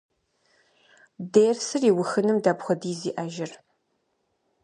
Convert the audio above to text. Дерсыр иухыным дапхуэдиз иӏэжыр?